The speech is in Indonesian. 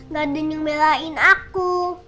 gak ada yang nyebelain aku